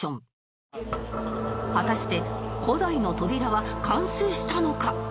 果たして古代の扉は完成したのか？